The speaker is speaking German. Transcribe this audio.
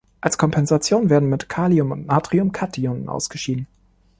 Als Kompensation werden mit Kalium und Natrium Kationen ausgeschieden.